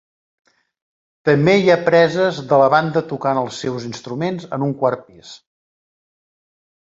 També hi ha preses de la banda tocant els seus instruments en un quart pis.